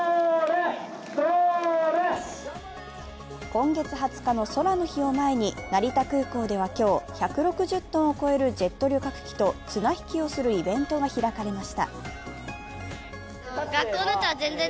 今月２０日の空の日を前に、成田空港では今日、１６０ｔを超えるジェット旅客機と綱引きをするイベントが開かれました。